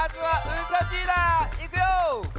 いくよ！